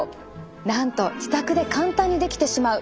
なんと自宅で簡単にできてしまう。